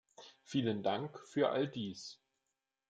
Vielen Dank für all dies!